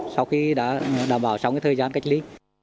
sau khi đã đảm bảo trong thời gian cách ly